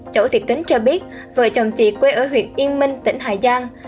cháu thì kính cho biết vợ chồng chị quê ở huyện yên minh tỉnh hải giang